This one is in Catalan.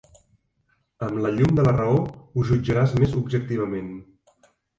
Amb la llum de la raó ho jutjaràs més objectivament.